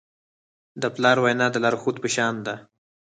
د پلار وینا د لارښود په شان ده.